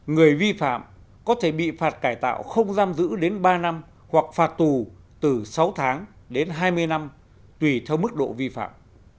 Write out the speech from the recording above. người vi phạm có thể bị phạt cải tạo không giam giữ đến ba năm hoặc phạt tù từ sáu tháng đến hai mươi năm tùy theo mức độ vi phạm